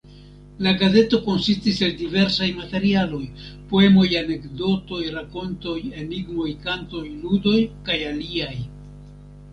La gazeto konsistis el diversaj materialoj: poemoj, anekdotoj, rakontoj, enigmoj, kantoj, ludoj kaj aliaj.